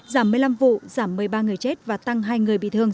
giảm một mươi năm vụ giảm một mươi ba người chết và tăng hai người bị thương